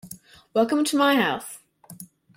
Welcome to my house.